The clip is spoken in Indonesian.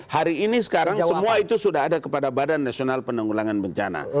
hari ini sekarang semua itu sudah ada kepada badan nasional penanggulangan bencana